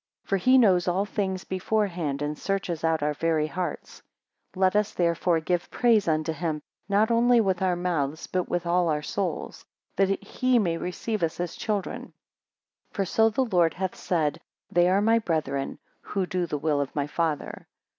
For he knows all things beforehand, and searches out our very hearts. 5 Let us, therefore, give praise unto him: not only with our mouths, but with all our souls; that he may receive us as children. For so the Lord hath said; They are my brethren, who do the will of my father.